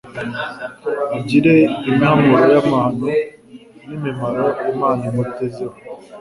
Agire imihamuro y' amahano n,imimaro Imana imutezeho